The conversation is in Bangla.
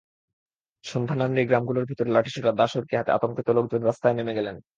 সন্ধ্যা নামতেই গ্রামগুলোর ভেতর লাঠিসোঁটা, দা-সড়কি হাতে আতঙ্কিত লোকজন রাস্তায় নেমে গেলেন।